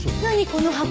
この箱。